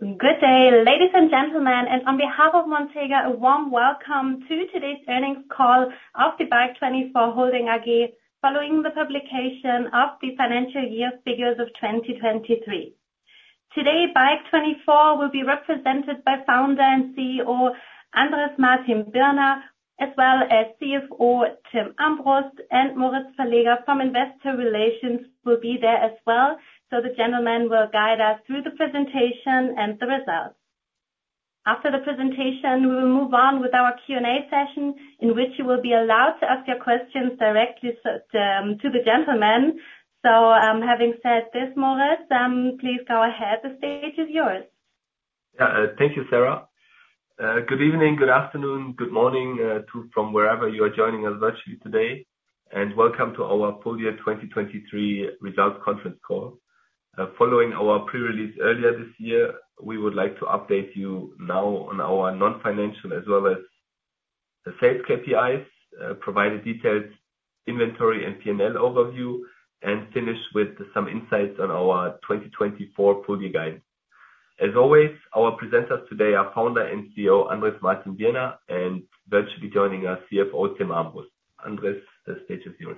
Good day, ladies and gentlemen, and on behalf of Montega, a warm welcome to today's earnings call of the BIKE24 Holding AG following the publication of the financial year figures of 2023. Today, BIKE24 will be represented by founder and CEO Andrés Martin-Birner, as well as CFO Timm Armbrust, and Moritz Verleger from Investor Relations will be there as well, so the gentlemen will guide us through the presentation and the results. After the presentation, we will move on with our Q&A session in which you will be allowed to ask your questions directly to the gentlemen. So having said this, Moritz, please go ahead. The stage is yours. Yeah, thank you, Sarah. Good evening, good afternoon, good morning, too, from wherever you are joining us virtually today, and welcome to our Full Year 2023 results conference call. Following our pre-release earlier this year, we would like to update you now on our non-financial as well as sales KPIs, provide a detailed inventory and P&L overview, and finish with some insights on our 2024 Full Year guide. As always, our presenters today are founder and CEO Andrés Martin-Birner and virtually joining us CFO Timm Armbrust. Andrés, the stage is yours.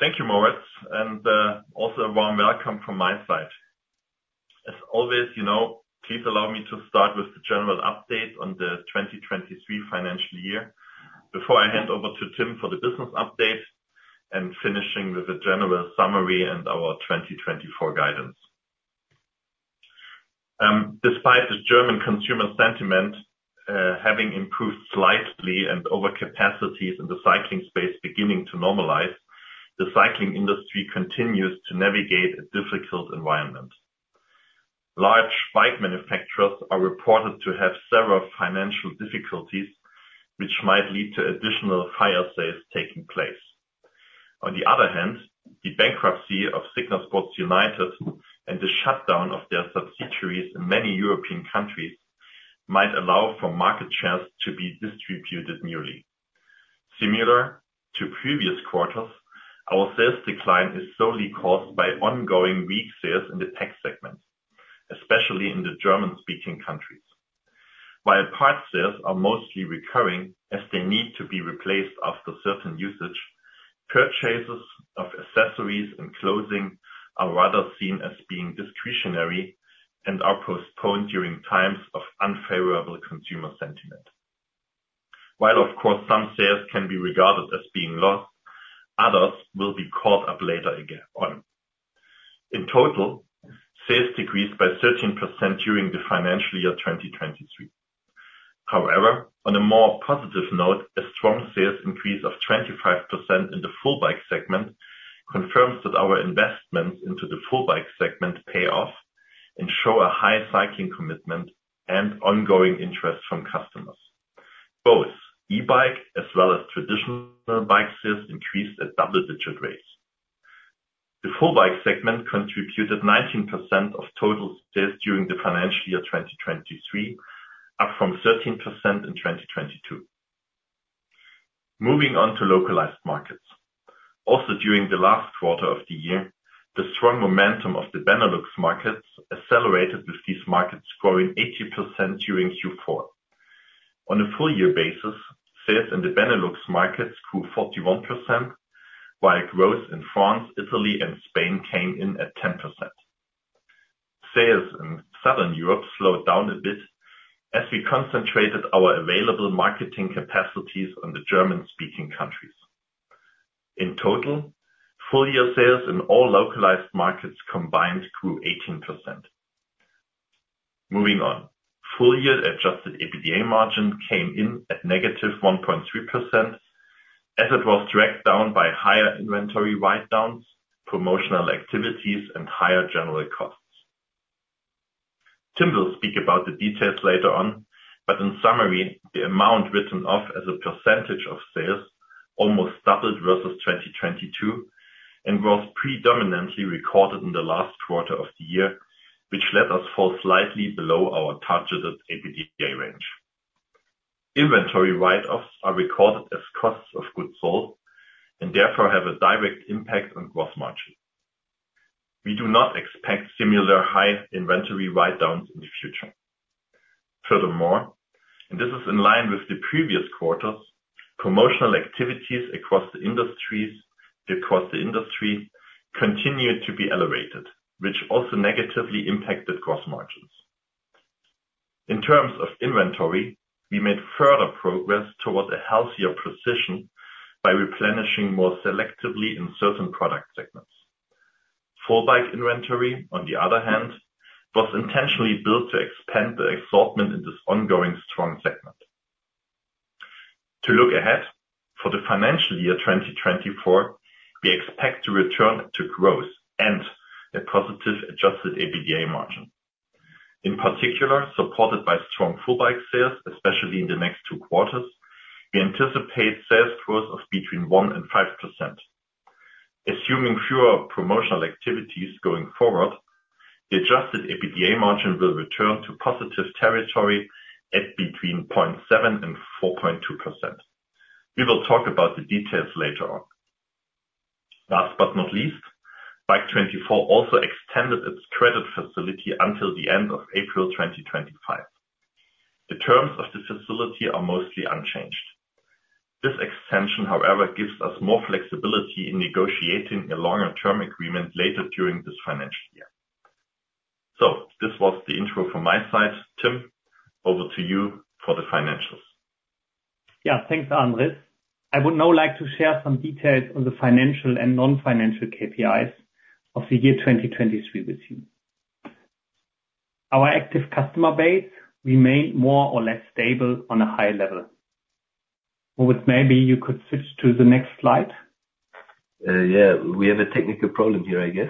Thank you, Moritz, and also a warm welcome from my side. As always, please allow me to start with the general update on the 2023 financial year before I hand over to Timm for the business update and finishing with a general summary and our 2024 guidance. Despite the German consumer sentiment having improved slightly and overcapacities in the cycling space beginning to normalize, the cycling industry continues to navigate a difficult environment. Large bike manufacturers are reported to have several financial difficulties which might lead to additional fire sales taking place. On the other hand, the bankruptcy of Signa Sports United and the shutdown of their subsidiaries in many European countries might allow for market shares to be distributed newly. Similar to previous quarters, our sales decline is solely caused by ongoing weak sales in the tech segment, especially in the German-speaking countries. While parts sales are mostly recurring as they need to be replaced after certain usage, purchases of accessories and clothing are rather seen as being discretionary and are postponed during times of unfavourable consumer sentiment. While, of course, some sales can be regarded as being lost, others will be caught up later on. In total, sales decreased by 13% during the financial year 2023. However, on a more positive note, a strong sales increase of 25% in the full bike segment confirms that our investments into the full bike segment pay off and show a high cycling commitment and ongoing interest from customers. Both e-bike as well as traditional bike sales increased at double-digit rates. The full bike segment contributed 19% of total sales during the financial year 2023, up from 13% in 2022. Moving on to localized markets. Also during the last quarter of the year, the strong momentum of the Benelux markets accelerated with these markets growing 80% during Q4. On a full-year basis, sales in the Benelux markets grew 41%, while growth in France, Italy, and Spain came in at 10%. Sales in Southern Europe slowed down a bit as we concentrated our available marketing capacities on the German-speaking countries. In total, full-year sales in all localized markets combined grew 18%. Moving on. Full-year Adjusted EBITDA margin came in at -1.3% as it was dragged down by higher inventory write-downs, promotional activities, and higher general costs. Timm will speak about the details later on, but in summary, the amount written off as a percentage of sales almost doubled versus 2022 and was predominantly recorded in the last quarter of the year, which let us fall slightly below our targeted EBITDA range. Inventory write-offs are recorded as costs of goods sold and therefore have a direct impact on gross margins. We do not expect similar high inventory write-downs in the future. Furthermore, and this is in line with the previous quarters, promotional activities across the industries continued to be elevated, which also negatively impacted gross margins. In terms of inventory, we made further progress towards a healthier position by replenishing more selectively in certain product segments. Full bike inventory, on the other hand, was intentionally built to expand the assortment in this ongoing strong segment. To look ahead for the financial year 2024, we expect to return to growth and a positive adjusted EBITDA margin. In particular, supported by strong full bike sales, especially in the next two quarters, we anticipate sales growth of between 1% and 5%. Assuming fewer promotional activities going forward, the Adjusted EBITDA margin will return to positive territory at between 0.7%-4.2%. We will talk about the details later on. Last but not least, BIKE24 also extended its credit facility until the end of April 2025. The terms of the facility are mostly unchanged. This extension, however, gives us more flexibility in negotiating a longer-term agreement later during this financial year. This was the intro from my side. Timm, over to you for the financials. Yeah, thanks, Andrés. I would now like to share some details on the financial and non-financial KPIs of the year 2023 with you. Our active customer base remained more or less stable on a high level. Moritz, maybe you could switch to the next slide. Yeah, we have a technical problem here, I guess.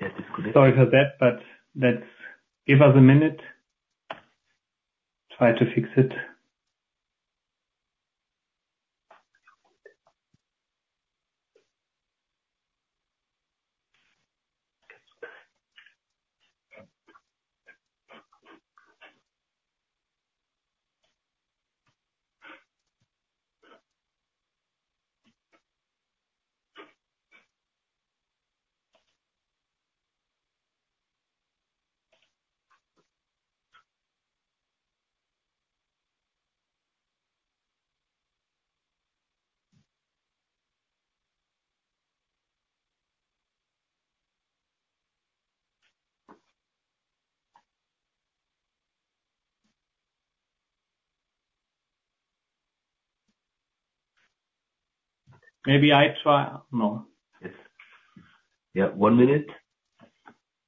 Yeah, disconnect. Sorry for that, but give us a minute. Try to fix it. Maybe I try. No. Yeah, one minute.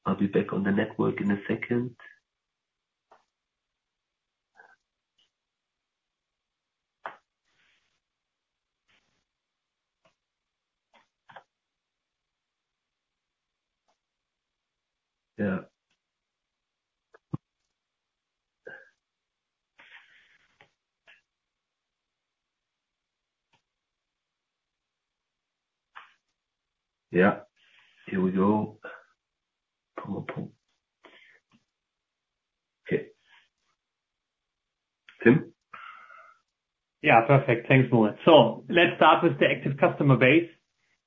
I'll be back on the network in a second. Yeah. Yeah, here we go. Okay. Timm? Yeah, perfect. Thanks, Moritz. So let's start with the active customer base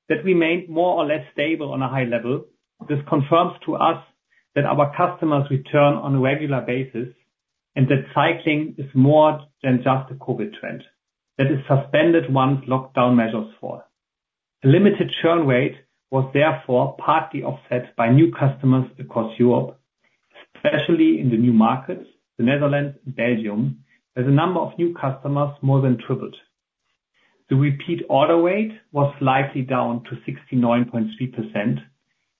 that remained more or less stable on a high level. This confirms to us that our customers return on a regular basis and that cycling is more than just a COVID trend that is suspended once lockdown measures fall. The limited churn rate was therefore partly offset by new customers across Europe, especially in the new markets, the Netherlands and Belgium, as the number of new customers more than tripled. The repeat order weight was slightly down to 69.3%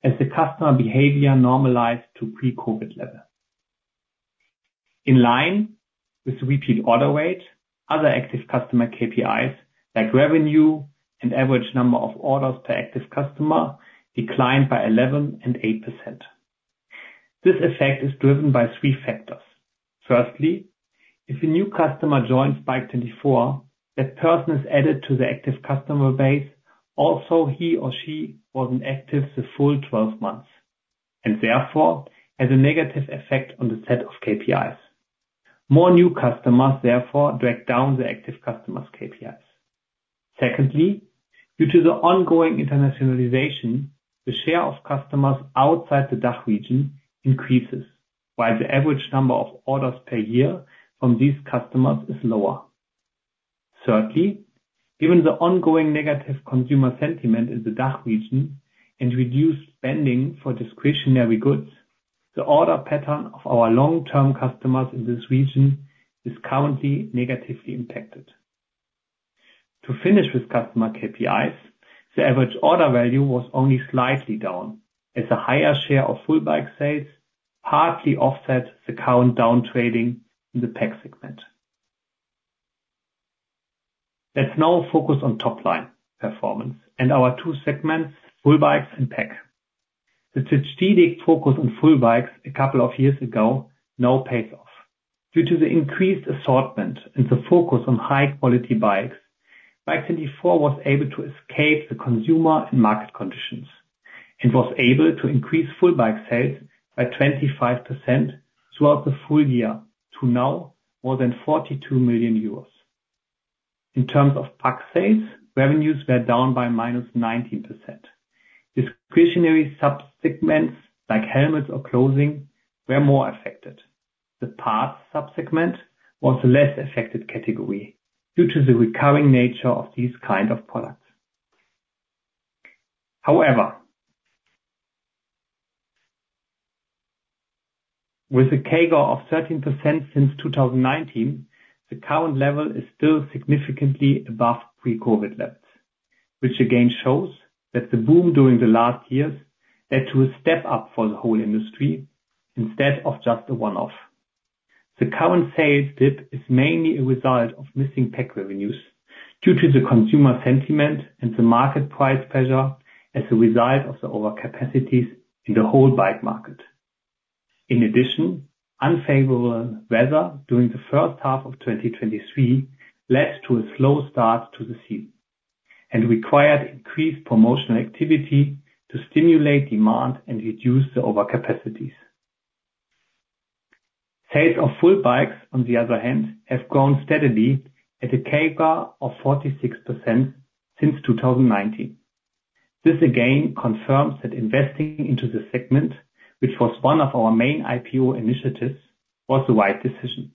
as the customer behavior normalized to pre-COVID level. In line with the repeat order weight, other active customer KPIs like revenue and average number of orders per active customer declined by 11% and 8%. This effect is driven by three factors. Firstly, if a new customer joins BIKE24, that person is added to the active customer base. Also, he or she wasn't active the full 12 months and therefore has a negative effect on the set of KPIs. More new customers, therefore, drag down the active customers' KPIs. Secondly, due to the ongoing internationalization, the share of customers outside the DACH region increases while the average number of orders per year from these customers is lower. Thirdly, given the ongoing negative consumer sentiment in the DACH region and reduced spending for discretionary goods, the order pattern of our long-term customers in this region is currently negatively impacted. To finish with customer KPIs, the average order value was only slightly down as a higher share of full bike sales partly offset the current downtrading in the tech segment. Let's now focus on top-line performance and our two segments, full bikes and tech. The strategic focus on full bikes a couple of years ago now pays off. Due to the increased assortment and the focus on high-quality bikes, BIKE24 was able to escape the consumer and market conditions and was able to increase full bike sales by 25% throughout the full year to now more than 42 million euros. In terms of parts sales, revenues were down by -19%. Discretionary subsegments like helmets or clothing were more affected. The parts subsegment was a less affected category due to the recurring nature of these kinds of products. However, with a CAGR of 13% since 2019, the current level is still significantly above pre-COVID levels, which again shows that the boom during the last years led to a step up for the whole industry instead of just a one-off. The current sales dip is mainly a result of missing tech revenues due to the consumer sentiment and the market price pressure as a result of the overcapacities in the whole bike market. In addition, unfavourable weather during the first half of 2023 led to a slow start to the season and required increased promotional activity to stimulate demand and reduce the overcapacities. Sales of full bikes, on the other hand, have grown steadily at a CAGR of 46% since 2019. This again confirms that investing into the segment, which was one of our main IPO initiatives, was the right decision.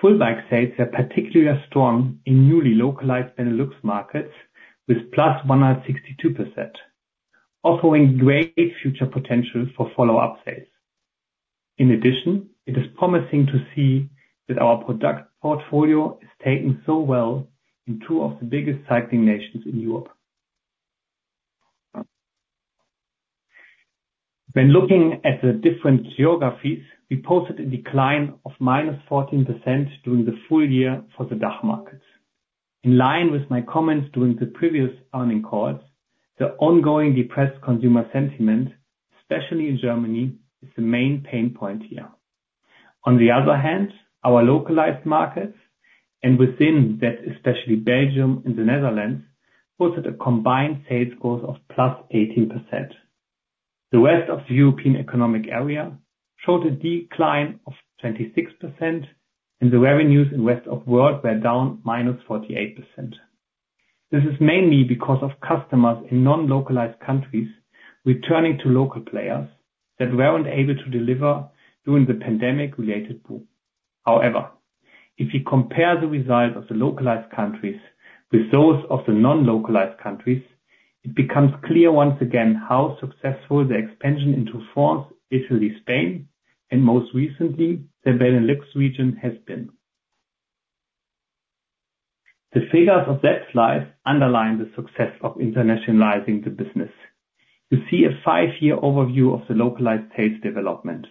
Full bike sales are particularly strong in newly localized Benelux markets with +162%, offering great future potential for follow-up sales. In addition, it is promising to see that our product portfolio is taking so well in two of the biggest cycling nations in Europe. When looking at the different geographies, we posted a decline of -14% during the full year for the DACH markets. In line with my comments during the previous earnings calls, the ongoing depressed consumer sentiment, especially in Germany, is the main pain point here. On the other hand, our localized markets and within that, especially Belgium and the Netherlands, posted a combined sales growth of +18%. The rest of the European Economic Area showed a decline of -26%, and the revenues in the rest of the world were down -48%. This is mainly because of customers in non-localized countries returning to local players that weren't able to deliver during the pandemic-related boom. However, if you compare the results of the localized countries with those of the non-localized countries, it becomes clear once again how successful the expansion into France, Italy, Spain, and most recently, the Benelux region has been. The figures of that slide underline the success of internationalizing the business. You see a five-year overview of the localized sales development,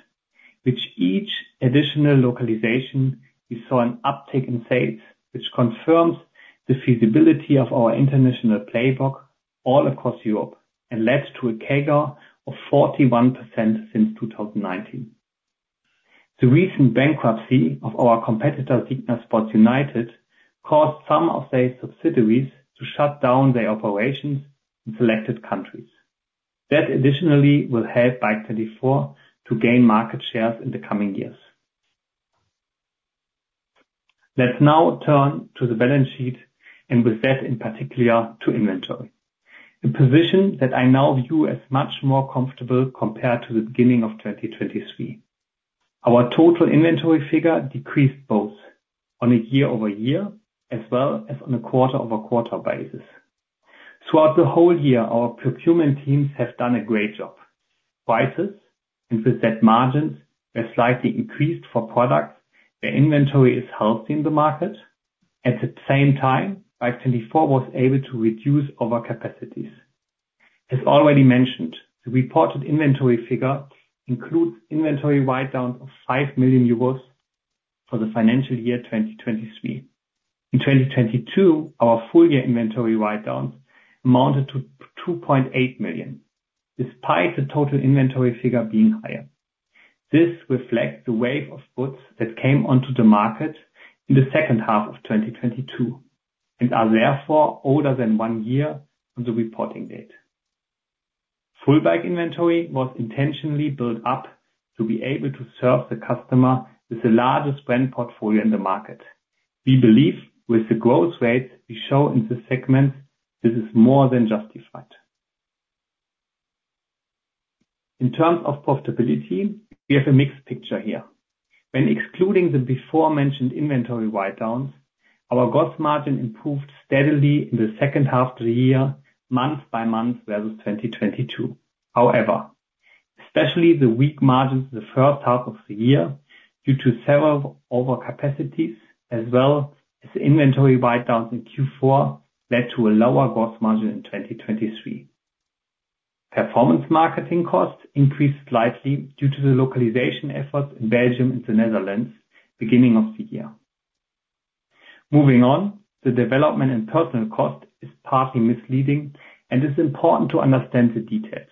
with each additional localization, we saw an uptick in sales, which confirms the feasibility of our international playbook all across Europe and led to a CAGR of 41% since 2019. The recent bankruptcy of our competitor, Signa Sports United, caused some of their subsidiaries to shut down their operations in selected countries. That additionally will help BIKE24 to gain market shares in the coming years. Let's now turn to the balance sheet and with that, in particular, to inventory, a position that I now view as much more comfortable compared to the beginning of 2023. Our total inventory figure decreased both on a year-over-year as well as on a quarter-over-quarter basis. Throughout the whole year, our procurement teams have done a great job. Prices and with that margins were slightly increased for products where inventory is healthy in the market. At the same time, BIKE24 was able to reduce overcapacities. As already mentioned, the reported inventory figure includes inventory write-downs of 5 million euros for the financial year 2023. In 2022, our full-year inventory write-downs amounted to 2.8 million despite the total inventory figure being higher. This reflects the wave of goods that came onto the market in the second half of 2022 and are therefore older than one year from the reporting date. Full bike inventory was intentionally built up to be able to serve the customer with the largest brand portfolio in the market. We believe with the growth rates we show in this segment, this is more than justified. In terms of profitability, we have a mixed picture here. When excluding the before-mentioned inventory write-downs, our gross margin improved steadily in the second half of the year, month by month, versus 2022. However, especially the weak margins in the first half of the year due to several overcapacities as well as the inventory write-downs in Q4 led to a lower gross margin in 2023. Performance marketing costs increased slightly due to the localization efforts in Belgium and the Netherlands beginning of the year. Moving on, the development and personnel cost is partly misleading and it's important to understand the details.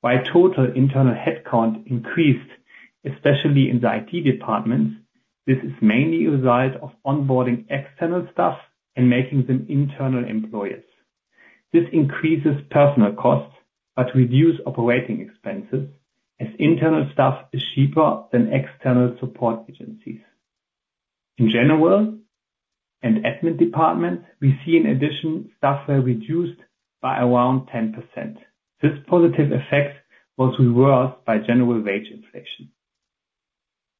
While total internal headcount increased, especially in the IT departments, this is mainly a result of onboarding external staff and making them internal employees. This increases personal costs but reduces operating expenses as internal staff is cheaper than external support agencies. In general and admin departments, we see in addition, staff were reduced by around 10%. This positive effect was reversed by general wage inflation.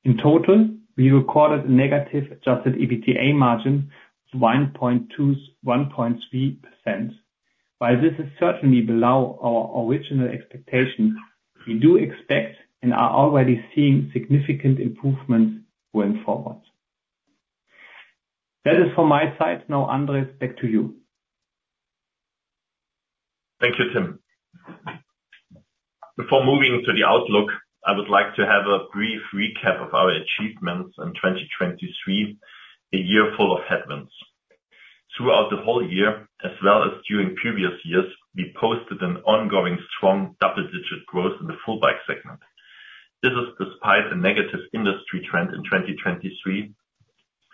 In total, we recorded a negative adjusted EBITDA margin of 1.3%. While this is certainly below our original expectations, we do expect and are already seeing significant improvements going forward. That is from my side. Now, Andrés, back to you. Thank you, Timm. Before moving to the outlook, I would like to have a brief recap of our achievements in 2023, a year full of headwinds. Throughout the whole year as well as during previous years, we posted an ongoing strong double-digit growth in the full bike segment. This is despite a negative industry trend in 2023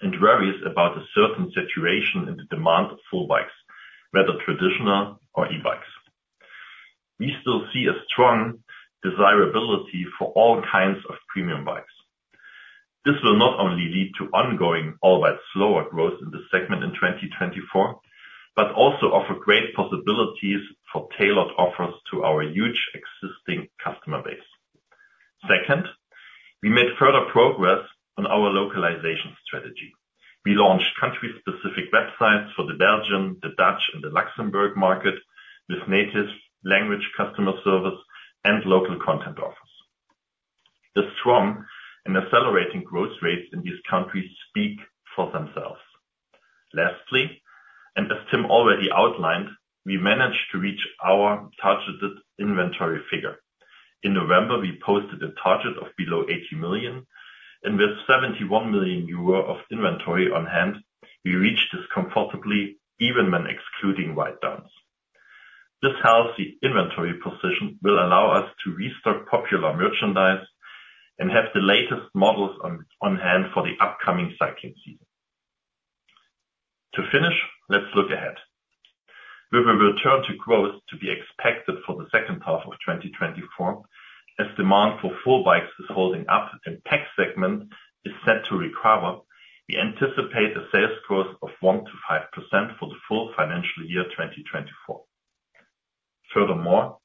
and worries about a certain saturation in the demand of full bikes, whether traditional or e-bikes. We still see a strong desirability for all kinds of premium bikes. This will not only lead to ongoing albeit slower growth in this segment in 2024 but also offer great possibilities for tailored offers to our huge existing customer base. Second, we made further progress on our localization strategy. We launched country-specific websites for the Belgian, the Dutch, and the Luxembourg market with native-language customer service and local content offers. The strong and accelerating growth rates in these countries speak for themselves. Lastly, and as Timm already outlined, we managed to reach our targeted inventory figure. In November, we posted a target of below 80 million, and with 71 million euro of inventory on hand, we reached this comfortably even when excluding write-downs. This healthy inventory position will allow us to restock popular merchandise and have the latest models on hand for the upcoming cycling season. To finish, let's look ahead. With a return to growth to be expected for the second half of 2024 as demand for full bikes is holding up and tech segment is set to recover, we anticipate a sales growth of 1%-5% for the full financial year 2024. Furthermore,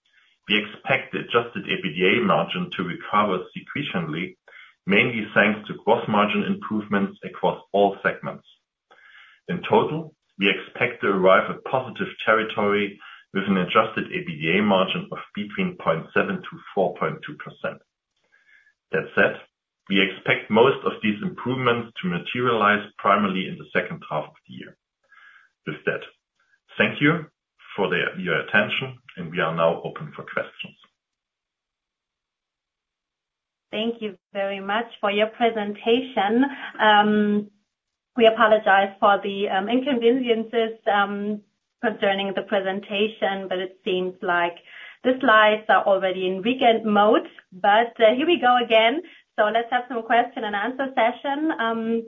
we expect the Adjusted EBITDA margin to recover seasonally, mainly thanks to gross margin improvements across all segments. In total, we expect to arrive at positive territory with an Adjusted EBITDA margin of between 0.7%-4.2%. That said, we expect most of these improvements to materialize primarily in the second half of the year. With that, thank you for your attention, and we are now open for questions. Thank you very much for your presentation. We apologize for the inconveniences concerning the presentation, but it seems like the slides are already in weekend mode. Here we go again. Let's have some question-and-answer session.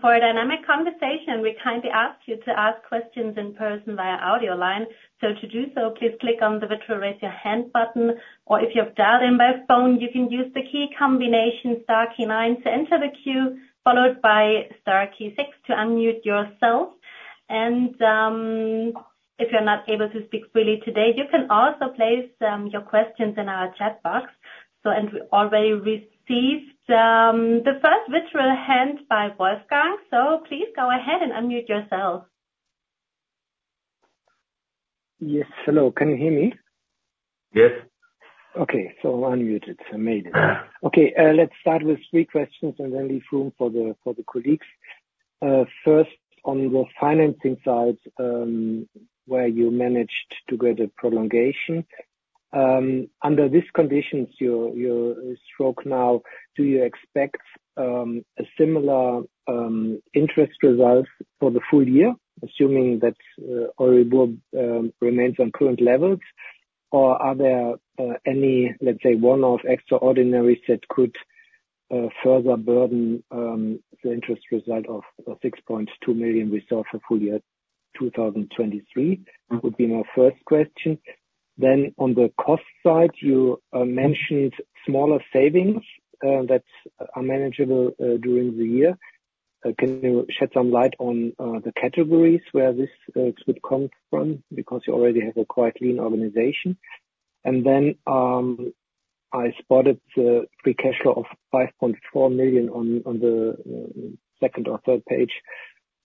For a dynamic conversation, we kindly ask you to ask questions in person via audio line. To do so, please click on the virtual raise your hand button. If you've dialed in by phone, you can use the key combination star key nine to enter the queue followed by star key six to unmute yourself. If you're not able to speak freely today, you can also place your questions in our chat box. We already received the first virtual hand by Wolfgang Specht. Please go ahead and unmute yourself. Yes. Hello. Can you hear me? Yes. Okay. So unmuted. I made it. Okay. Let's start with three questions and then leave room for the colleagues. First, on the financing side where you managed to get a prolongation, under these conditions you struck now, do you expect a similar interest result for the full year, assuming that Euribor remains on current levels? Or are there any, let's say, one-off extraordinaries that could further burden the interest result of 6.2 million we saw for full year 2023? That would be my first question. Then on the cost side, you mentioned smaller savings that are manageable during the year. Can you shed some light on the categories where this could come from because you already have a quite lean organization? And then I spotted the free cash flow of 5.4 million on the second or third page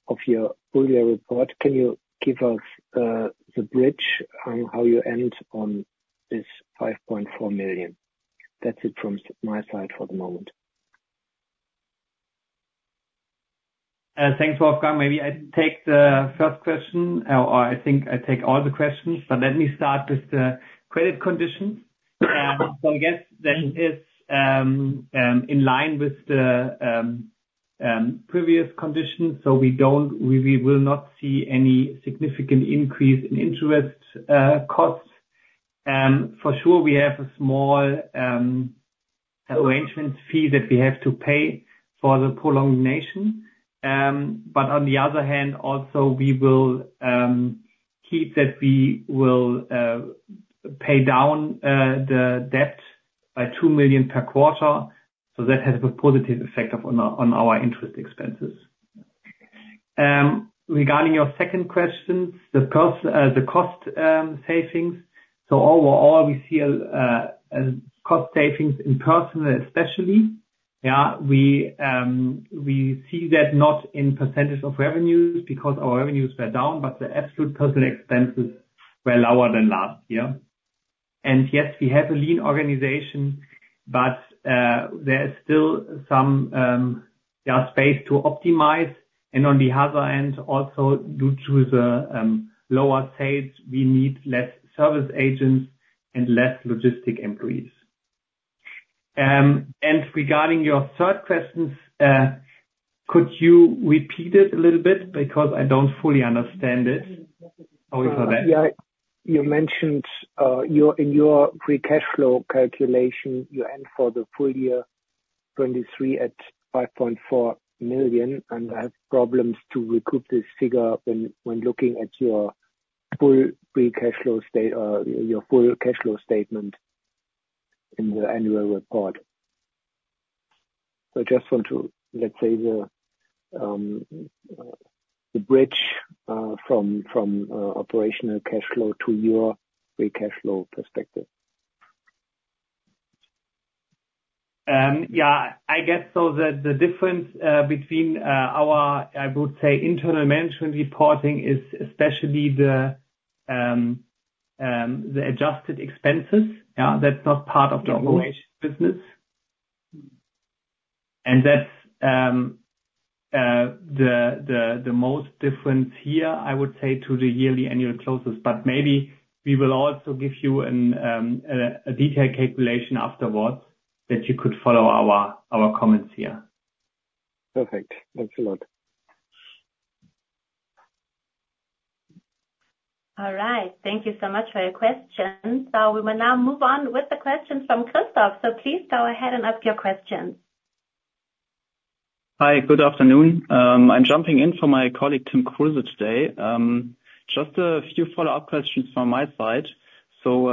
of your earlier report. Can you give us the bridge on how you end on this 5.4 million? That's it from my side for the moment. Thanks, Wolfgang. Maybe I take the first question or I think I take all the questions. But let me start with the credit conditions. So I guess that is in line with the previous conditions. So we will not see any significant increase in interest costs. For sure, we have a small arrangement fee that we have to pay for the prolongation. But on the other hand, also, we will keep that we will pay down the debt by 2 million per quarter. So that has a positive effect on our interest expenses. Regarding your second question, the cost savings, so overall, we see cost savings in personnel, especially. Yeah, we see that not in percentage of revenues because our revenues were down, but the absolute personnel expenses were lower than last year. And yes, we have a lean organization, but there is still some space to optimize. On the other hand, also due to the lower sales, we need less service agents and less logistic employees. Regarding your third question, could you repeat it a little bit because I don't fully understand it? Sorry for that. Yeah. You mentioned in your free cash flow calculation, you end for the full year 2023 at 5.4 million. And I have problems to recoup this figure when looking at your full free cash flow statement in the annual report. So I just want to, let's say, the bridge from operational cash flow to your free cash flow perspective. Yeah. I guess so that the difference between our, I would say, internal management reporting is especially the adjusted expenses. Yeah, that's not part of the operation business. And that's the most difference here, I would say, to the yearly annual closes. But maybe we will also give you a detailed calculation afterwards that you could follow our comments here. Perfect. Thanks a lot. All right. Thank you so much for your questions. We will now move on with the questions from Christoph. Please go ahead and ask your questions. Hi. Good afternoon. I'm jumping in for my colleague Tim Kruse today. Just a few follow-up questions from my side. So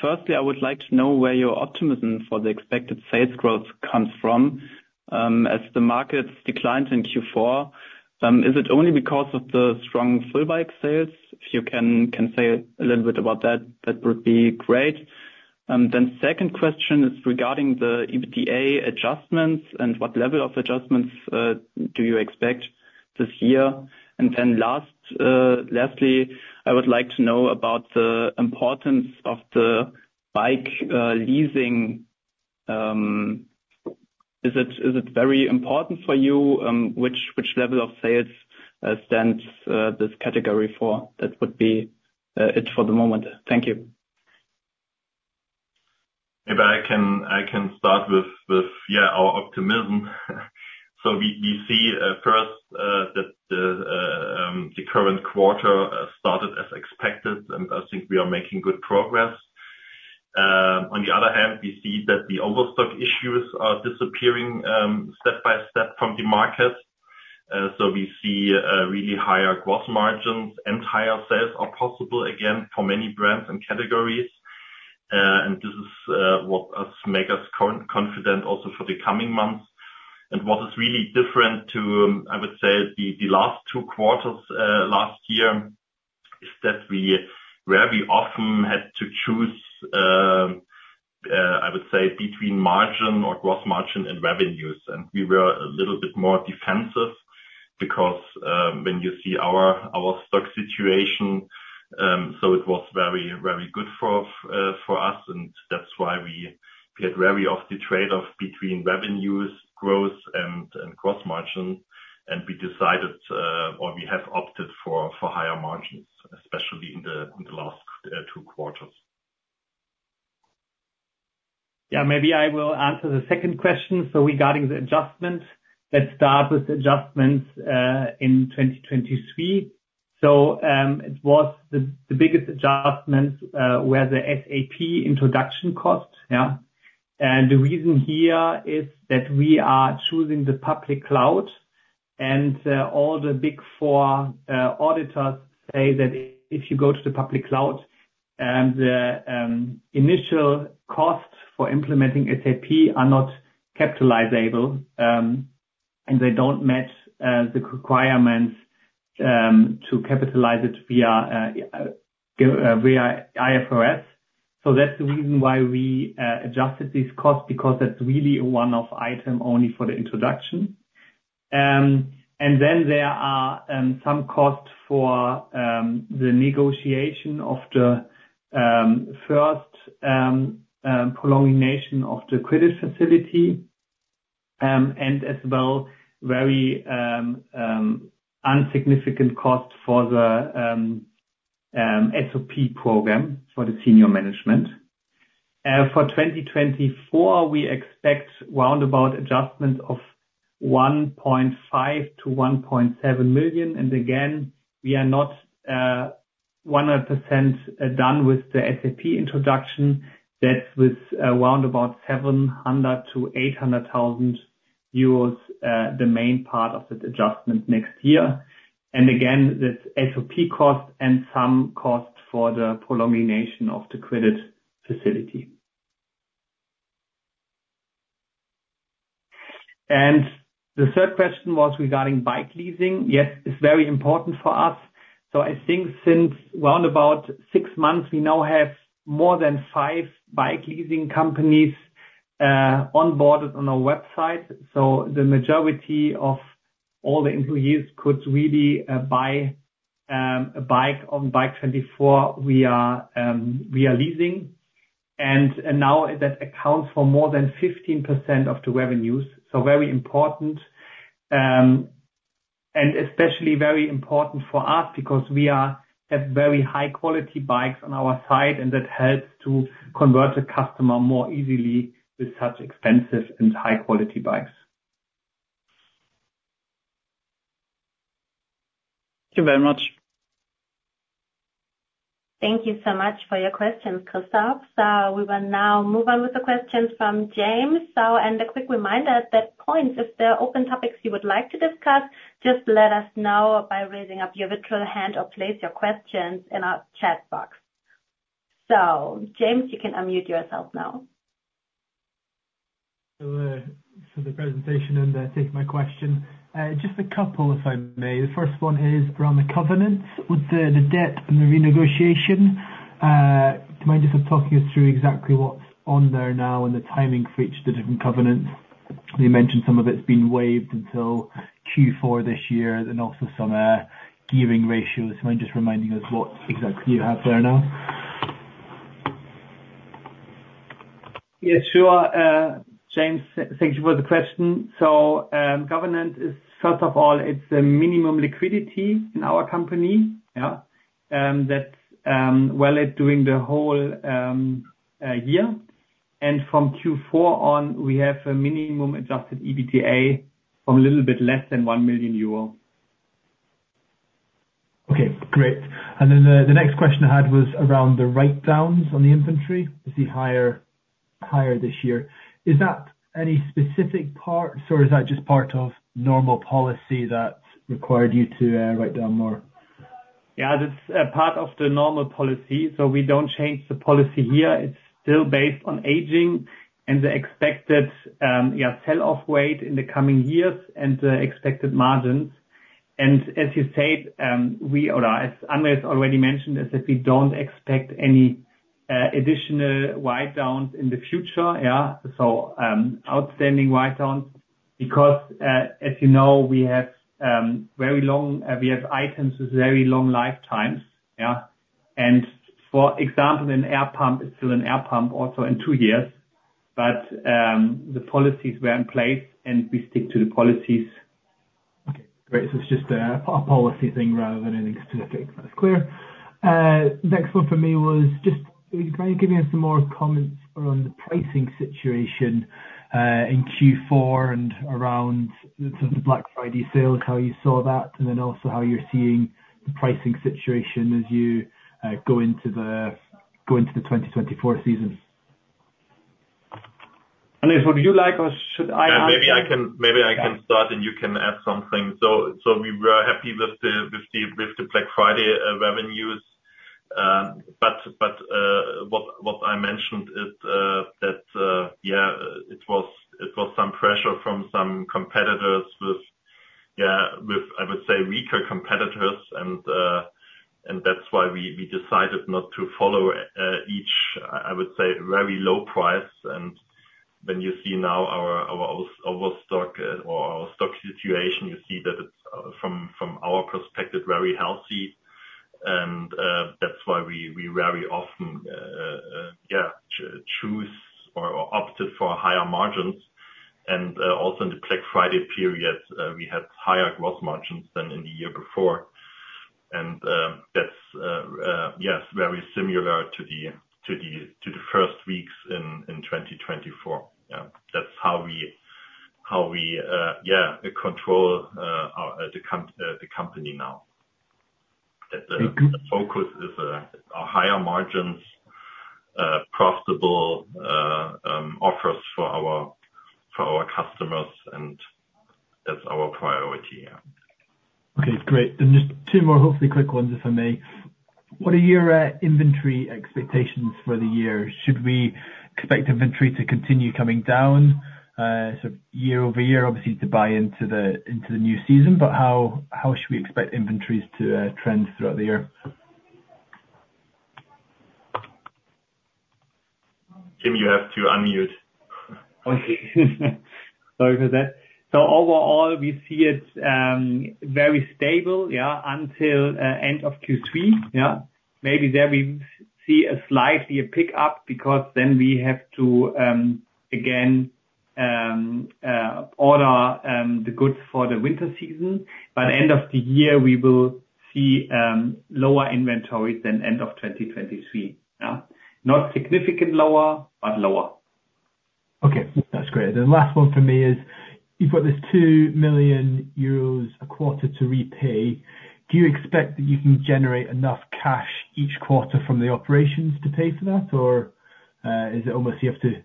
firstly, I would like to know where your optimism for the expected sales growth comes from as the markets declined in Q4. Is it only because of the strong full bike sales? If you can say a little bit about that, that would be great. Then second question is regarding the EBITDA adjustments and what level of adjustments do you expect this year? And then lastly, I would like to know about the importance of the bike leasing. Is it very important for you? Which level of sales stands this category for? That would be it for the moment. Thank you. Maybe I can start with, yeah, our optimism. So we see first that the current quarter started as expected, and I think we are making good progress. On the other hand, we see that the overstock issues are disappearing step by step from the market. So we see really higher gross margins and higher sales are possible again for many brands and categories. And this is what makes us confident also for the coming months. And what is really different to, I would say, the last two quarters last year is that where we often had to choose, I would say, between margin or gross margin and revenues. And we were a little bit more defensive because when you see our stock situation, so it was very, very good for us. And that's why we had wary of the trade-off between revenues growth and gross margin. We decided or we have opted for higher margins, especially in the last two quarters. Yeah. Maybe I will answer the second question. So regarding the adjustments, let's start with adjustments in 2023. So it was the biggest adjustment was the SAP introduction cost. Yeah. And the reason here is that we are choosing the public cloud. And all the Big Four auditors say that if you go to the public cloud, the initial costs for implementing SAP are not capitalizable, and they don't match the requirements to capitalize it via IFRS. So that's the reason why we adjusted these costs because that's really a one-off item only for the introduction. And then there are some costs for the negotiation of the first prolongation of the credit facility and as well very insignificant costs for the SOP program for the senior management. For 2024, we expect roundabout adjustments of 1.5 million-1.7 million. And again, we are not 100% done with the SAP introduction. That's with roundabout 700 thousand-800 thousand euros the main part of the adjustment next year. And again, that's SOP cost and some cost for the prolongation of the credit facility. And the third question was regarding bike leasing. Yes, it's very important for us. So I think since roundabout six months, we now have more than five bike leasing companies onboarded on our website. So the majority of all the employees could really buy a bike on BIKE24 via leasing. And now that accounts for more than 15% of the revenues. So very important and especially very important for us because we have very high-quality bikes on our side, and that helps to convert the customer more easily with such expensive and high-quality bikes. Thank you very much. Thank you so much for your questions, Christoph. So we will now move on with the questions from James. So and a quick reminder, at that point, if there are open topics you would like to discuss, just let us know by raising up your virtual hand or place your questions in our chat box. So James, you can unmute yourself now. For the presentation and take my question. Just a couple, if I may. The first one is around the covenants with the debt and the renegotiation. Do you mind just talking us through exactly what's on there now and the timing for each of the different covenants? You mentioned some of it's been waived until Q4 this year and also some gearing ratios. Do you mind just reminding us what exactly you have there now? Yes. Sure. James, thank you for the question. So covenant is first of all, it's a minimum liquidity in our company. Yeah. That's valid during the whole year. And from Q4 on, we have a minimum adjusted EBITDA from a little bit less than 1 million euro. Okay. Great. And then the next question I had was around the write-downs on the inventory. It's higher this year. Is that any specific parts, or is that just part of normal policy that required you to write down more? Yeah. That's part of the normal policy. So we don't change the policy here. It's still based on aging and the expected, yeah, sell-off weight in the coming years and the expected margins. And as you said, or as Andrés already mentioned, is that we don't expect any additional write-downs in the future. Yeah. So outstanding write-downs because, as you know, we have very long items with very long lifetimes. Yeah. And for example, an air pump is still an air pump also in two years. But the policies were in place, and we stick to the policies. Okay. Great. So it's just a policy thing rather than anything specific. That's clear. Next one for me was just can you give me some more comments around the pricing situation in Q4 and around sort of the Black Friday sales, how you saw that, and then also how you're seeing the pricing situation as you go into the 2024 season? Andrés, would you like or should I add? Maybe I can start, and you can add something. So we were happy with the Black Friday revenues. But what I mentioned is that, yeah, it was some pressure from some competitors with, yeah, I would say, weaker competitors. And that's why we decided not to follow each, I would say, very low price. And when you see now our overstock or our stock situation, you see that it's, from our perspective, very healthy. And that's why we very often, yeah, choose or opted for higher margins. And also in the Black Friday period, we had higher gross margins than in the year before. And that's, yes, very similar to the first weeks in 2024. Yeah. That's how we, yeah, control the company now. That the focus is our higher margins, profitable offers for our customers. And that's our priority. Okay. Great. And just two more, hopefully, quick ones, if I may. What are your inventory expectations for the year? Should we expect inventory to continue coming down sort of year-over-year, obviously, to buy into the new season? But how should we expect inventories to trend throughout the year? Tim, you have to unmute. Sorry for that. So overall, we see it very stable, yeah, until end of Q3. Yeah. Maybe there we see slightly a pickup because then we have to, again, order the goods for the winter season. By the end of the year, we will see lower inventory than end of 2023. Yeah. Not significant lower, but lower. Okay. That's great. And last one for me is you've got this 2 million euros a quarter to repay. Do you expect that you can generate enough cash each quarter from the operations to pay for that, or is it almost you have to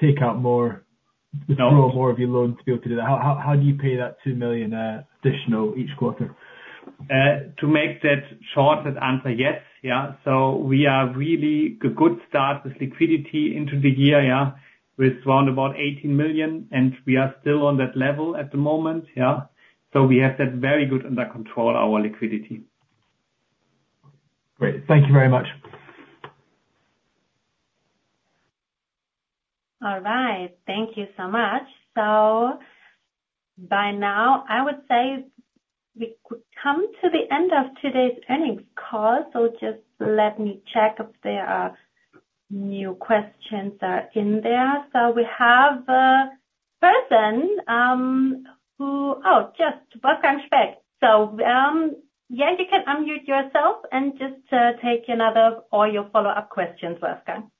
take out more withdraw more of your loan to be able to do that? How do you pay that 2 million additional each quarter? To make that short, that answer, yes. Yeah. So we are really a good start with liquidity into the year, yeah, with around 18 million. And we are still on that level at the moment. Yeah. So we have that very good under control, our liquidity. Great. Thank you very much. All right. Thank you so much. So by now, I would say we could come to the end of today's earnings call. So just let me check if there are new questions in there. So we have a person who, oh, just Wolfgang Specht. So yeah, you can unmute yourself and just take another or your follow-up questions, Wolfgang.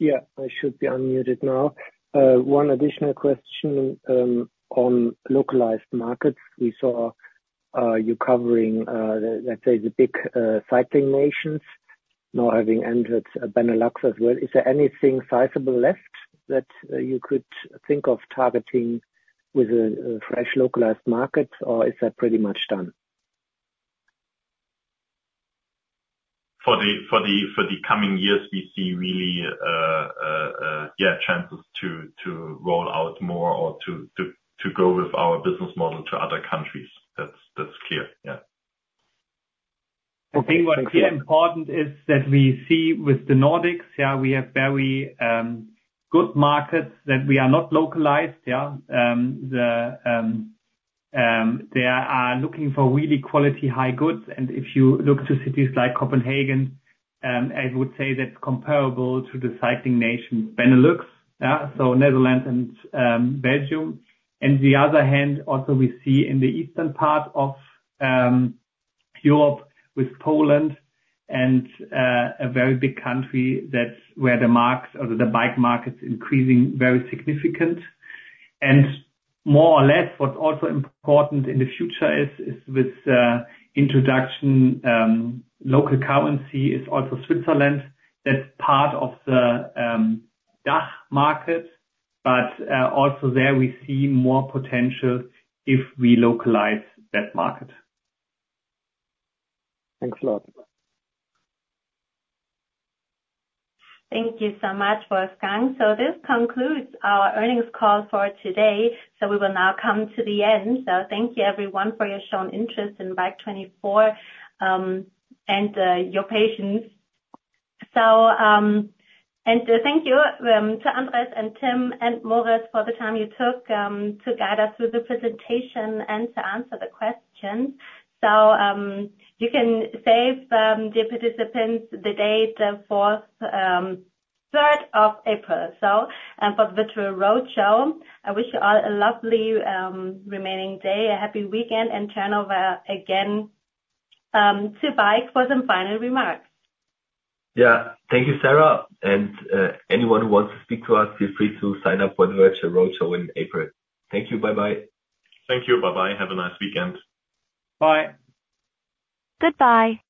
Yeah. I should be unmuted now. One additional question on localized markets. We saw you covering, let's say, the big cycling nations, now having entered Benelux as well. Is there anything sizable left that you could think of targeting with a fresh localized market, or is that pretty much done? For the coming years, we see really, yeah, chances to roll out more or to go with our business model to other countries. That's clear. Yeah. I think what's really important is that we see with the Nordics, yeah, we have very good markets that we are not localized. Yeah. They are looking for really quality, high goods. And if you look to cities like Copenhagen, I would say that's comparable to the cycling nations, Benelux. Yeah. So Netherlands and Belgium. And on the other hand, also, we see in the eastern part of Europe with Poland and a very big country where the bike market's increasing very significant. And more or less, what's also important in the future is with introduction local currency is also Switzerland. That's part of the DACH market. But also there, we see more potential if we localize that market. Thanks a lot. Thank you so much, Wolfgang. This concludes our earnings call for today. We will now come to the end. Thank you, everyone, for your shown interest in BIKE24 and your patience. Thank you to Andrés and Timm and Moritz for the time you took to guide us through the presentation and to answer the questions. You can save the participants the date 4th, 3rd of April, so for the virtual roadshow. I wish you all a lovely remaining day, a happy weekend, and turn over again to Bike for some final remarks. Yeah. Thank you, Sarah. Anyone who wants to speak to us, feel free to sign up for the virtual roadshow in April. Thank you. Bye-bye. Thank you. Bye-bye. Have a nice weekend. Bye. Goodbye.